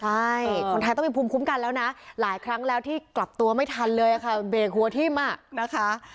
ใช่คนไทยต้องมีภูมิคุ้มกันแล้วนะหลายครั้งแล้วที่กลับตัวไม่ทันเลยค่ะเบรกหัวทิ้มอ่ะนะคะ